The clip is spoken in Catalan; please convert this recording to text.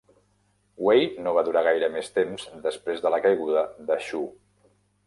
Wei no va durar gaire més temps després de la caiguda de Shu.